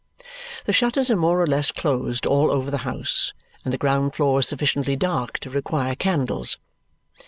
The shutters are more or less closed all over the house, and the ground floor is sufficiently dark to require candles.